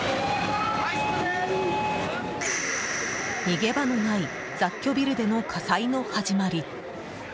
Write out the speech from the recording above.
逃げ場のない雑居ビルでの火災の始まり。